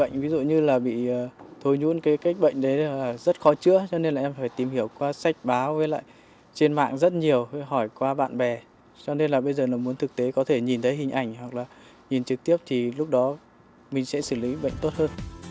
hỏi qua bạn bè cho nên là bây giờ muốn thực tế có thể nhìn thấy hình ảnh hoặc là nhìn trực tiếp thì lúc đó mình sẽ xử lý bệnh tốt hơn